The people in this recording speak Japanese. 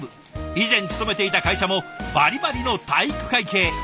以前勤めていた会社もバリバリの体育会系。